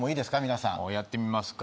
皆さんやってみますか？